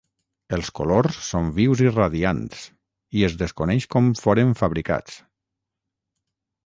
Els colors són vius i radiants, i es desconeix com foren fabricats.